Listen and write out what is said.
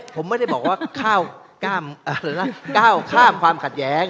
พอพูดก้าวข้ามความขัดแย้ง